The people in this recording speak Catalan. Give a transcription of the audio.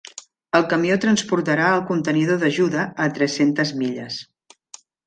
El camió transportarà el contenidor d'ajuda a tres-centes milles.